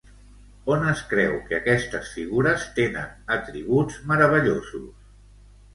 On es creu que aquestes figures tenen atributs meravellosos?